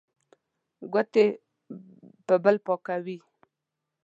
ګوتې په بل پاکوي.